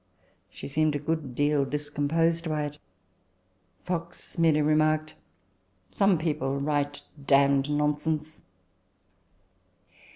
She seemed a good deal discomposed by it. Fox merely remarked, " Some people write damned nonsense."